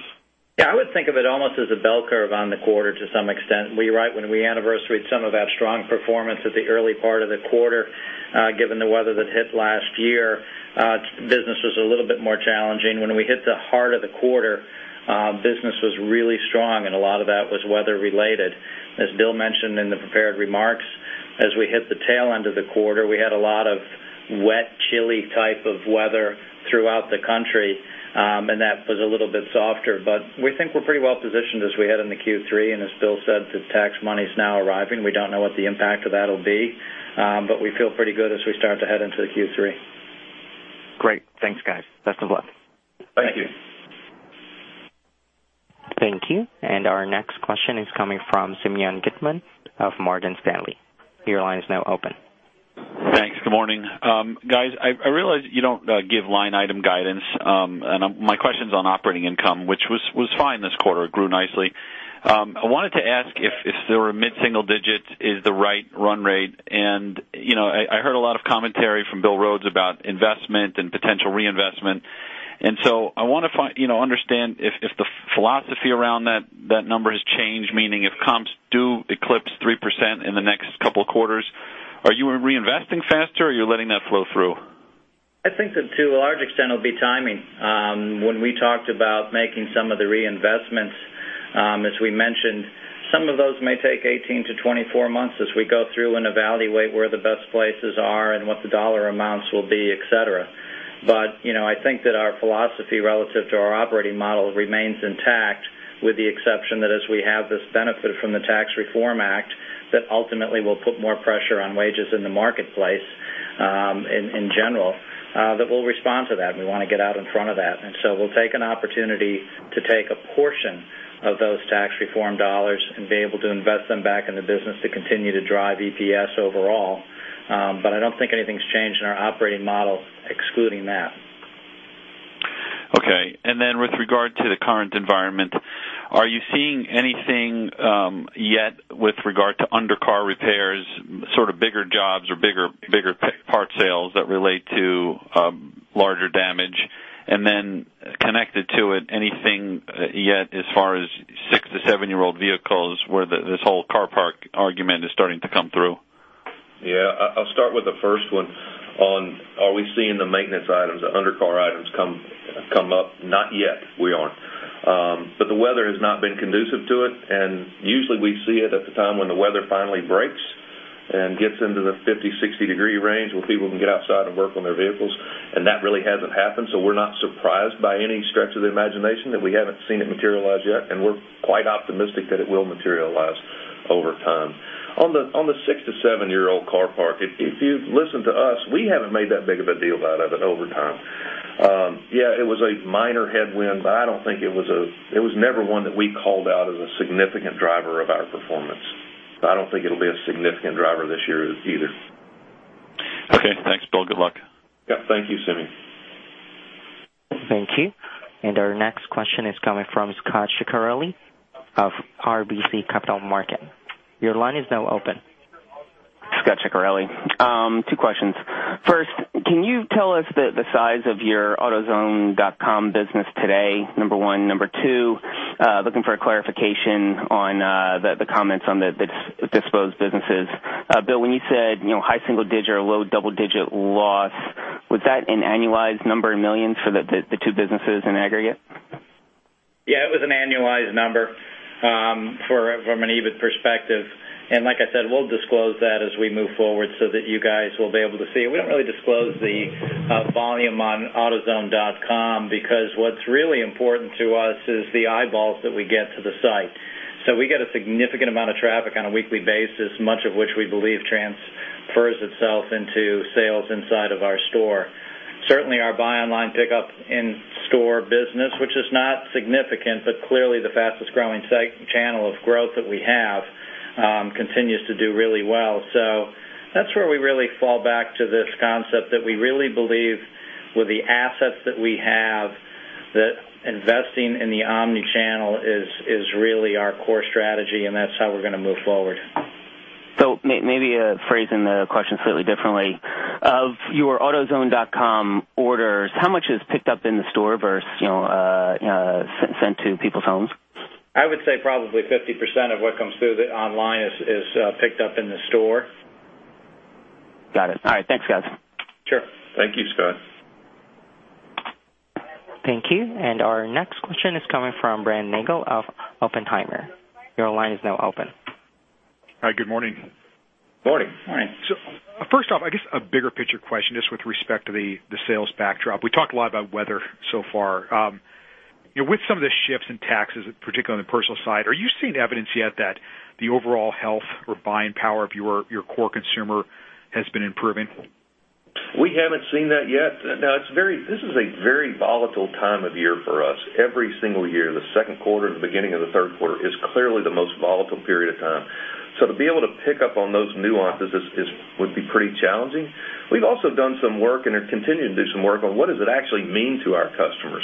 Yes, I would think of it almost as a bell curve on the quarter to some extent. When we anniversaried some of that strong performance at the early part of the quarter given the weather that hit last year, business was a little bit more challenging. When we hit the heart of the quarter, business was really strong, and a lot of that was weather related. As Bill mentioned in the prepared remarks, as we hit the tail end of the quarter, we had a lot of wet, chilly type of weather throughout the country, and that was a little bit softer. We think we're pretty well positioned as we head into Q3, and as Bill said, the tax money's now arriving. We don't know what the impact of that'll be. We feel pretty good as we start to head into Q3. Great. Thanks, guys. Best of luck. Thank you. Thank you. Thank you. Our next question is coming from Simeon Gutman of Morgan Stanley. Your line is now open. Thanks. Good morning. Guys, I realize you don't give line item guidance, my question's on operating income, which was fine this quarter. It grew nicely. I wanted to ask if mid-single digits is the right run rate, I heard a lot of commentary from Bill Rhodes about investment and potential reinvestment, so I want to understand if the philosophy around that number has changed, meaning if comps do eclipse 3% in the next couple of quarters, are you reinvesting faster, or are you letting that flow through? I think that to a large extent, it'll be timing. When we talked about making some of the reinvestments, as we mentioned, some of those may take 18 to 24 months as we go through and evaluate where the best places are and what the dollar amounts will be, et cetera. I think that our philosophy relative to our operating model remains intact with the exception that as we have this benefit from the Tax Reform Act, that ultimately will put more pressure on wages in the marketplace, in general, that we'll respond to that, and we want to get out in front of that. We'll take an opportunity to take a portion of those tax reform dollars and be able to invest them back in the business to continue to drive EPS overall. I don't think anything's changed in our operating model excluding that. Okay. With regard to the current environment, are you seeing anything yet with regard to undercar repairs, sort of bigger jobs or bigger part sales that relate to larger damage? Connected to it, anything yet as far as six to seven-year-old vehicles where this whole car park argument is starting to come through? Yeah. I'll start with the first one on are we seeing the maintenance items, the undercar items come up? Not yet, we aren't. The weather has not been conducive to it, and usually we see it at the time when the weather finally breaks and gets into the 50, 60-degree range where people can get outside and work on their vehicles, and that really hasn't happened, so we're not surprised by any stretch of the imagination that we haven't seen it materialize yet, and we're quite optimistic that it will materialize. Over time. On the six to seven-year-old car park, if you listen to us, we haven't made that big of a deal out of it over time. It was a minor headwind, but it was never one that we called out as a significant driver of our performance. I don't think it'll be a significant driver this year either. Okay. Thanks, Bill. Good luck. Yeah. Thank you, Simi. Thank you. Our next question is coming from Scot Ciccarelli of RBC Capital Markets. Your line is now open. Scot Ciccarelli. Two questions. First, can you tell us the size of your autozone.com business today? Number one. Number two, looking for a clarification on the comments on the disposed businesses. Bill, when you said high single digit or low double-digit loss, was that an annualized number in millions for the two businesses in aggregate? It was an annualized number from an EBIT perspective. Like I said, we'll disclose that as we move forward so that you guys will be able to see. We don't really disclose the volume on autozone.com because what's really important to us is the eyeballs that we get to the site. We get a significant amount of traffic on a weekly basis, much of which we believe transfers itself into sales inside of our store. Certainly our buy online, pickup in-store business, which is not significant, but clearly the fastest-growing channel of growth that we have continues to do really well. That's where we really fall back to this concept that we really believe with the assets that we have, that investing in the omni-channel is really our core strategy, and that's how we're going to move forward. Maybe phrasing the question slightly differently. Of your autozone.com orders, how much is picked up in the store versus sent to people's homes? I would say probably 50% of what comes through the online is picked up in the store. Got it. All right. Thanks, guys. Sure. Thank you, Scot. Thank you. Our next question is coming from Brian Nagel of Oppenheimer. Your line is now open. Hi, good morning. Morning. Morning. First off, I guess a bigger picture question, just with respect to the sales backdrop. We talked a lot about weather so far. With some of the shifts in taxes, particularly on the personal side, are you seeing evidence yet that the overall health or buying power of your core consumer has been improving? We haven't seen that yet. This is a very volatile time of year for us. Every single year, the second quarter to the beginning of the third quarter is clearly the most volatile period of time. To be able to pick up on those nuances would be pretty challenging. We've also done some work and are continuing to do some work on what does it actually mean to our customers.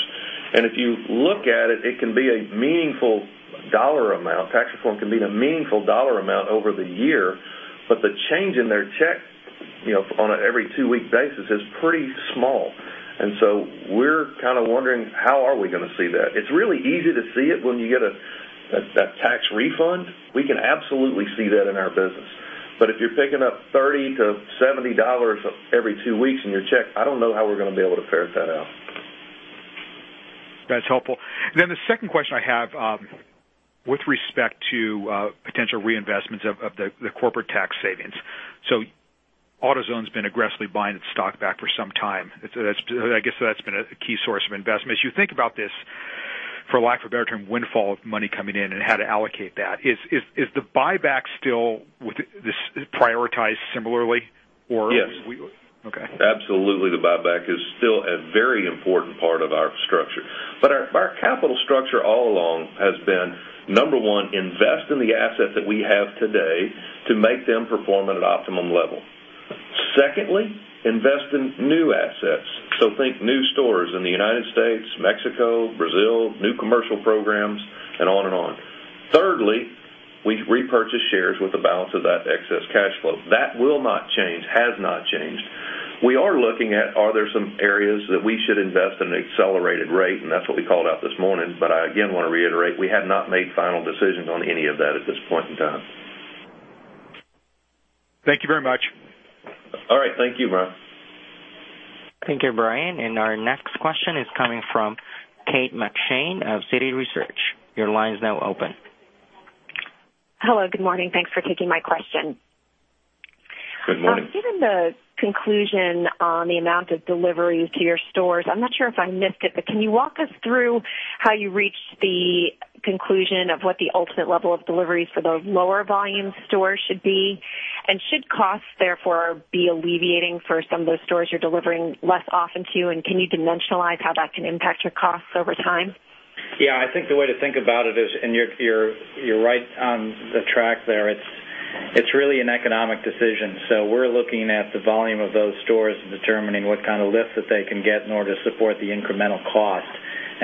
If you look at it, Tax Reform Act can mean a meaningful dollar amount over the year, but the change in their check on an every two-week basis is pretty small. We're kind of wondering, how are we going to see that? It's really easy to see it when you get that tax refund. We can absolutely see that in our business. If you're picking up $30 to $70 every two weeks in your check, I don't know how we're going to be able to ferret that out. That's helpful. The second question I have, with respect to potential reinvestments of the corporate tax savings. AutoZone's been aggressively buying its stock back for some time. I guess that's been a key source of investment. As you think about this, for lack of a better term, windfall of money coming in and how to allocate that, is the buyback still prioritized similarly or- Yes. Okay. Absolutely, the buyback is still a very important part of our structure. Our capital structure all along has been, number one, invest in the assets that we have today to make them perform at an optimum level. Secondly, invest in new assets. Think new stores in the United States, Mexico, Brazil, new commercial programs, and on and on. Thirdly, we repurchase shares with the balance of that excess cash flow. That will not change, has not changed. We are looking at, are there some areas that we should invest at an accelerated rate? That's what we called out this morning. I again want to reiterate, we have not made final decisions on any of that at this point in time. Thank you very much. All right. Thank you, Brian. Thank you, Brian. Our next question is coming from Kate McShane of Citi Research. Your line is now open. Hello, good morning. Thanks for taking my question. Good morning. Given the conclusion on the amount of deliveries to your stores, I'm not sure if I missed it, but can you walk us through how you reached the conclusion of what the ultimate level of deliveries for those lower volume stores should be? Should costs therefore be alleviating for some of those stores you're delivering less often to, and can you dimensionalize how that can impact your costs over time? Yeah, I think the way to think about it is, you're right on the track there. It's really an economic decision. We're looking at the volume of those stores and determining what kind of lift that they can get in order to support the incremental cost,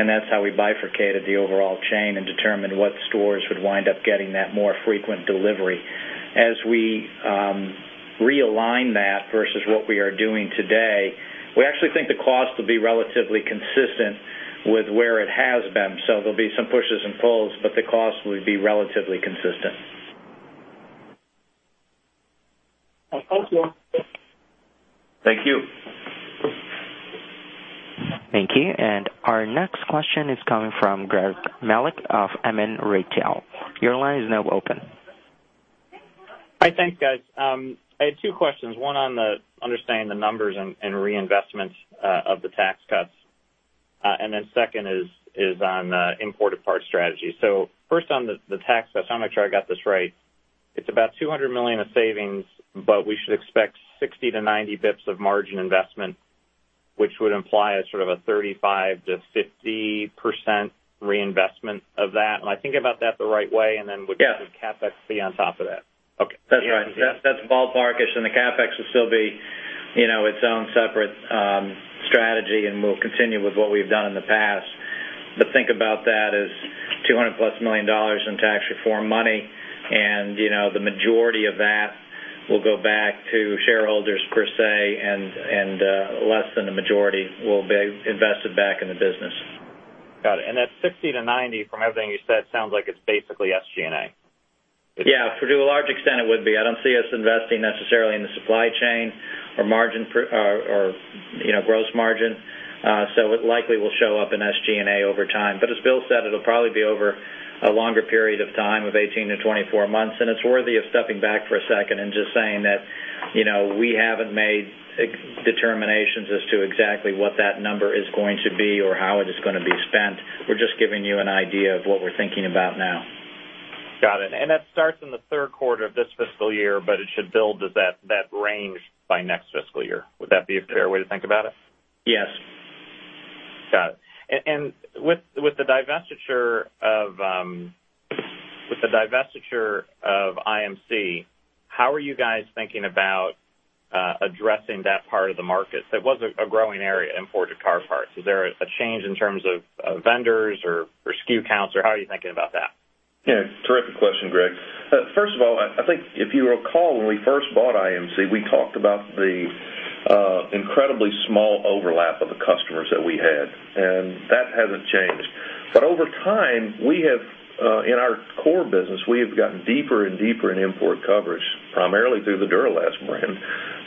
that's how we bifurcated the overall chain and determined what stores would wind up getting that more frequent delivery. As we realign that versus what we are doing today, we actually think the cost will be relatively consistent with where it has been. There'll be some pushes and pulls, but the cost will be relatively consistent. Thank you. Thank you. Thank you. Our next question is coming from Greg Melich of MN Retail. Your line is now open. Hi, thanks, guys. I had two questions, one on understanding the numbers and reinvestments of the tax cuts. Second is on imported parts strategy. First on the tax. I just want to make sure I got this right. It's about $200 million of savings, but we should expect 60-90 basis points of margin investment, which would imply a sort of a 35%-50% reinvestment of that. Am I thinking about that the right way? Yeah. Would CapEx be on top of that? Okay. That's right. That's ballpark-ish, and the CapEx will still be its own separate strategy, and we'll continue with what we've done in the past. Think about that as $200-plus million in Tax Reform money. The majority of that will go back to shareholders per se and less than a majority will be invested back in the business. Got it. That 60 to 90, from everything you said, sounds like it's basically SG&A. Yeah, to a large extent it would be. I don't see us investing necessarily in the supply chain or gross margin. It likely will show up in SG&A over time. As Bill said, it'll probably be over a longer period of time of 18-24 months. It's worthy of stepping back for a second and just saying that we haven't made determinations as to exactly what that number is going to be or how it is gonna be spent. We're just giving you an idea of what we're thinking about now. Got it. That starts in the third quarter of this fiscal year, it should build to that range by next fiscal year. Would that be a fair way to think about it? Yes. Got it. With the divestiture of IMC, how are you guys thinking about addressing that part of the market? That was a growing area in imported car parts. Is there a change in terms of vendors or SKU counts, or how are you thinking about that? Yeah, terrific question, Greg. First of all, I think if you recall, when we first bought IMC, we talked about the incredibly small overlap of the customers that we had, and that hasn't changed. Over time, in our core business, we have gotten deeper and deeper in import coverage, primarily through the Duralast brand,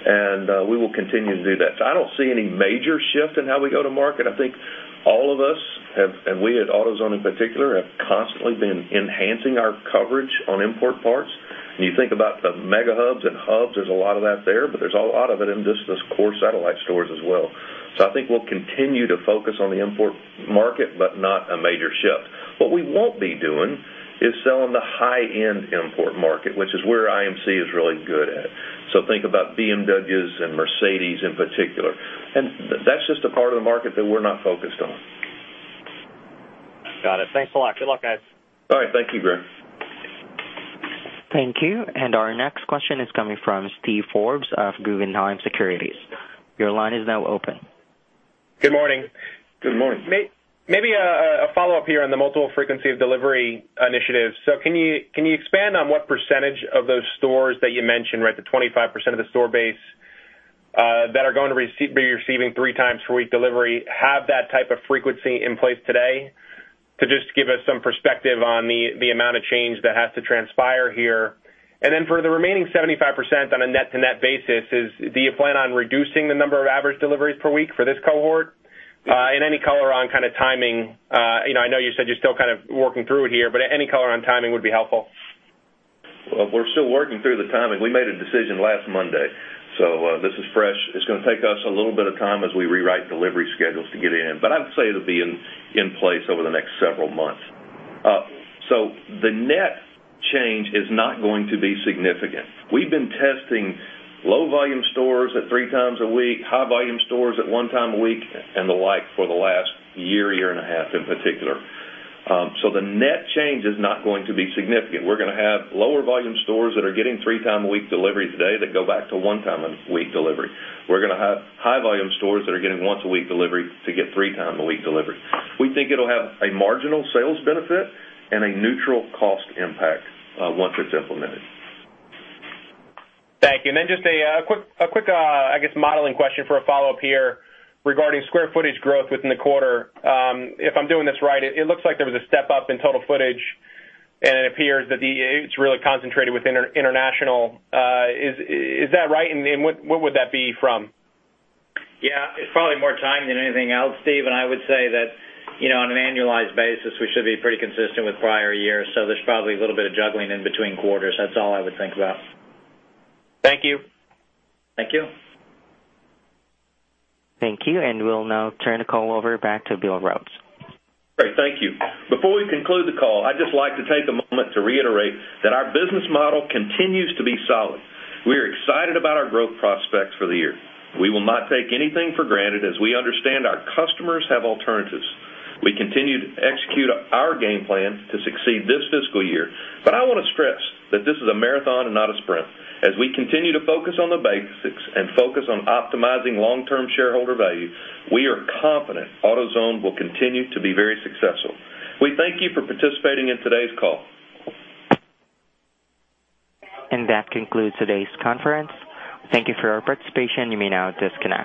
and we will continue to do that. I don't see any major shift in how we go to market. I think all of us have, and we at AutoZone in particular, have constantly been enhancing our coverage on import parts. When you think about the Mega Hubs and hubs, there's a lot of that there, but there's a lot of it in just those core satellite stores as well. I think we'll continue to focus on the import market, but not a major shift. What we won't be doing is selling the high-end import market, which is where IMC is really good at. Think about BMWs and Mercedes in particular. That's just a part of the market that we're not focused on. Got it. Thanks a lot. Good luck, guys. All right. Thank you, Greg. Thank you. Our next question is coming from Steve Forbes of Guggenheim Securities. Your line is now open. Good morning. Good morning. A follow-up here on the multiple frequency of delivery initiatives. Can you expand on what percentage of those stores that you mentioned, right, the 25% of the store base that are going to be receiving three times per week delivery have that type of frequency in place today, to just give us some perspective on the amount of change that has to transpire here? For the remaining 75% on a net-to-net basis, do you plan on reducing the number of average deliveries per week for this cohort? Any color on kind of timing. I know you said you're still kind of working through it here, any color on timing would be helpful. We're still working through the timing. We made a decision last Monday, this is fresh. It's gonna take us a little bit of time as we rewrite delivery schedules to get in, I'd say it'll be in place over the next several months. The net change is not going to be significant. We've been testing low volume stores at three times a week, high volume stores at one time a week, and the like for the last year and a half in particular. The net change is not going to be significant. We're gonna have lower volume stores that are getting three times a week delivery today that go back to one time a week delivery. We're gonna have high volume stores that are getting once a week delivery to get three times a week delivery. We think it'll have a marginal sales benefit and a neutral cost impact once it's implemented. Thank you. Just a quick, I guess, modeling question for a follow-up here regarding square footage growth within the quarter. If I'm doing this right, it looks like there was a step up in total footage and it appears that it's really concentrated within international. Is that right? What would that be from? Yeah. It's probably more time than anything else, Steve. I would say that on an annualized basis, we should be pretty consistent with prior years. There's probably a little bit of juggling in between quarters. That's all I would think about. Thank you. Thank you. Thank you. We'll now turn the call over back to Bill Rhodes. Great. Thank you. Before we conclude the call, I'd just like to take a moment to reiterate that our business model continues to be solid. We are excited about our growth prospects for the year. We will not take anything for granted as we understand our customers have alternatives. We continue to execute our game plan to succeed this fiscal year. I want to stress that this is a marathon and not a sprint. As we continue to focus on the basics and focus on optimizing long-term shareholder value, we are confident AutoZone will continue to be very successful. We thank you for participating in today's call. That concludes today's conference. Thank you for your participation. You may now disconnect.